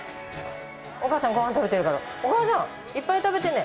お母さんごはん食べてるからお母さんいっぱい食べてね。